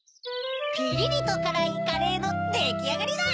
ピリリとからいカレーのできあがりだ！